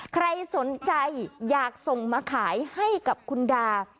ใครสนใจอยากส่งมาขายให้กับคุณดา